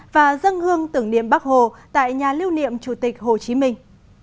và dâng hương tưởng niệm bác hồ tại nhà lưu niệm chủ tịch hồ chí minh